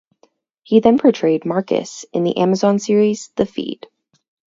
He then portrayed Marcus in the Amazon series "The Feed".